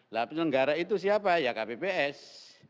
lah penyelenggara itu siapa ya kpps